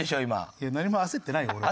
いや何も焦ってないよ俺は。